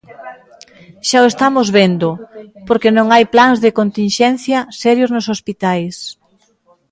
Xa o estamos vendo, porque non hai plans de continxencia serios nos hospitais.